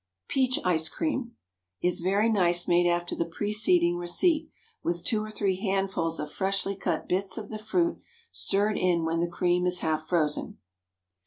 PEACH ICE CREAM ✠ Is very nice made after the preceding receipt, with two or three handfuls of freshly cut bits of the fruit stirred in when the cream is half frozen.